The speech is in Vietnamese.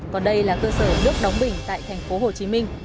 còn đây là cơ sở nước đóng bình tại thành phố hồ chí minh